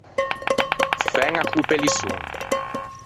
Fæña co-o pellisson.